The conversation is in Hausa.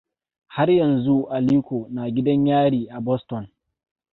Har yanzu Aliko na gidan yari a Boston.